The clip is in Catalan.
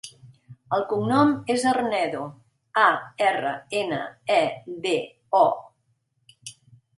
El cognom és Arnedo: a, erra, ena, e, de, o.